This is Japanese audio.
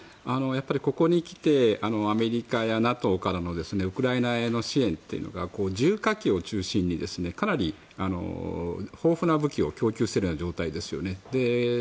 ここに来てアメリカやＮＡＴＯからのウクライナへの支援というのが重火器を中心にかなり豊富な武器を調達している状況ですね。